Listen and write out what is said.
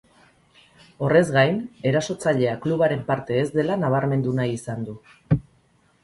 Horrez gain, erasotzailea klubaren parte ez dela nabarmendu nahi izan du.